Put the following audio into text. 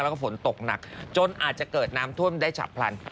แล้วก็ฝนตกหนักจนอาจจะเกิดน้ำท่วมได้ฉับพลัน